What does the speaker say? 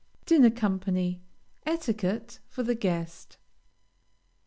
DINNER COMPANY. ETIQUETTE FOR THE GUEST.